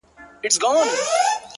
سیاه پوسي ده’ خُم چپه پروت دی’